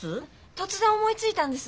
突然思いついたんです。